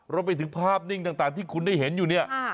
รวมไปถึงภาพนิ่งต่างที่คุณได้เห็นอยู่เนี่ย